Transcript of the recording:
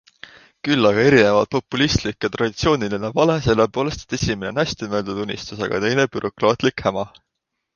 Küll aga erinevad populistlik ja traditsiooniline vale sellepoolest, et esimene on hästi mõeldud unistus, aga teine bürokraatlik häma.